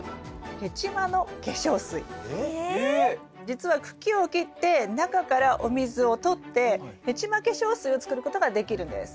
じつは茎を切って中からお水をとってヘチマ化粧水を作ることができるんです。